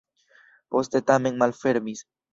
Poste tamen malfermis.